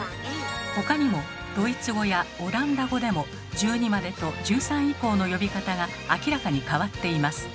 他にもドイツ語やオランダ語でも１２までと１３以降の呼び方が明らかに変わっています。